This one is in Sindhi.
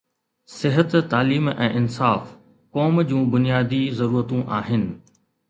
صحت، تعليم ۽ انصاف قوم جون بنيادي ضرورتون آهن.